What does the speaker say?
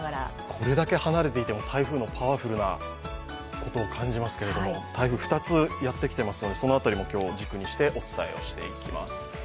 これだけ離れていても台風のパワフルなことを感じますが、台風、２つやってきてますのでその辺り軸にして今日お伝えしていきます。